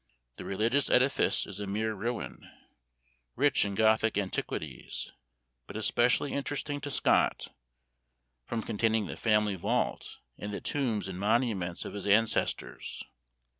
The religious edifice is a mere ruin, rich in Gothic antiquities, but especially interesting to Scott, from containing the family vault, and the tombs and monuments of his ancestors.